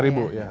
lima ribuan ya